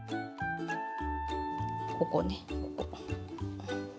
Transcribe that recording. ここねこう。